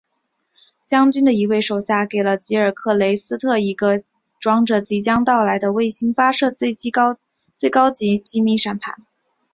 将军的一位手下给了吉尔克雷斯特一个装着即将到来的卫星发射的最高机密信息的闪盘。